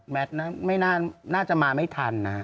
แมทน่าจะมาไม่ทันน่ะ